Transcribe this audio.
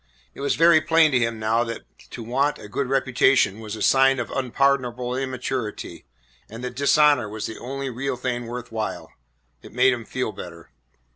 It was very plain to him now that to want a good reputation was the sign of unpardonable immaturity, and that dishonour was the only real thing worth while. It made him feel better.